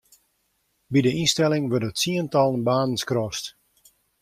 By de ynstelling wurde tsientallen banen skrast.